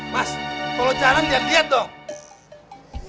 mas kalo jalan jangan liat dong